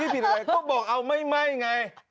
พี่ปิดแบบยืบบอกไม่ไหม้ไง